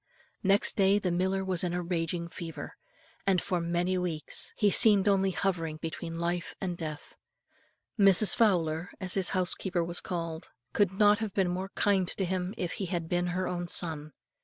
Next day the miller was in a raging fever, and for many weeks he seemed only hovering between life and death. Mrs. Fowler, as his housekeeper was called, could not have been more kind to him if he had been her own son.